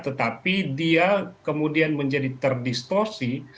tetapi dia kemudian menjadi terdistorsi